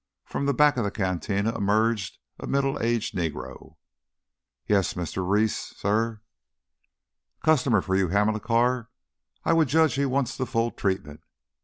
From the back of the cantina emerged a middle aged Negro. "Yes, Mistuh Reese, suh?" "Customer for you, Hamilcar. I would judge he wants the full treatment.